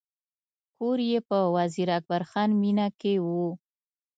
کور یې په وزیر اکبر خان مېنه کې و.